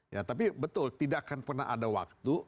ya tapi betul tidak akan pernah ada waktu